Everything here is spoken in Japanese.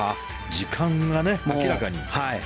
時間が明らかに。